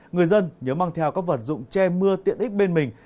người dân nhớ mang theo các vật dụng che mưa tiện ích bên mình